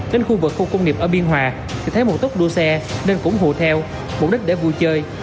đến khu vực khu công nghiệp ở biên hòa thì thấy mô tốc đua xe nên cũng hù theo mục đích để vui chơi